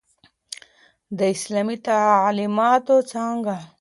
د اسلامی تعليماتو څانګه